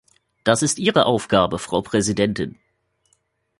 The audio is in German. Das ist Ihre Aufgabe, Frau Präsidentin.